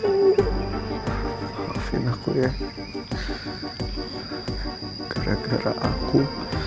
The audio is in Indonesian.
hari spesial kamu jadi berantakan